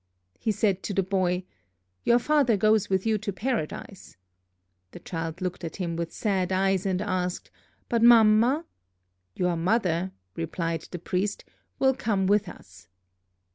He said to the boy, 'Your father goes with you to Paradise!' The child looked at him with sad eyes, and asked, 'But Mamma?' 'Your mother,' replied the priest, 'will come with us.'